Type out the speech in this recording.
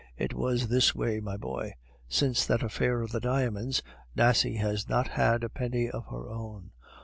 "It was this way, my boy. Since that affair of the diamonds, Nasie has not had a penny of her own.